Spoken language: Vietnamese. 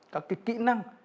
các cái kỹ năng